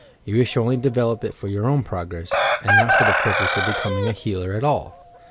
You wish only to develop it for your own progress, and not for the pur pose of becoming a healer at all.